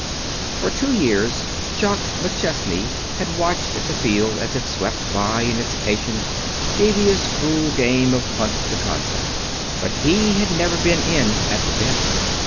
For two years Jock McChesney had watched the field as it swept by in its patient, devious, cruel game of Hunt the Contract. But he had never been in at the death.